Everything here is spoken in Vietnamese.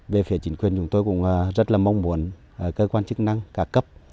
về phía chính quyền chúng tôi cũng rất là mong muốn cơ quan chức năng cả cấp